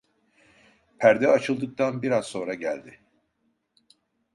Perde açıldıktan biraz sonra geldi.